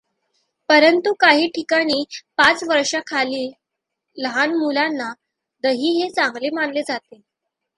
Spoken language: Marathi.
परंतू काही ठिकाणी पाच वर्षा खालील लहान मुलांना दही हे चांगले मानले जाते.